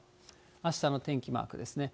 あしたの天気マークですね。